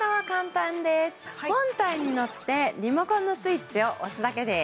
本体にのってリモコンのスイッチを押すだけです。